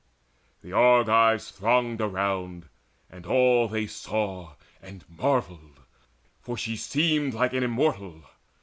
The Argives thronged around, And all they saw and marvelled, for she seemed Like an Immortal.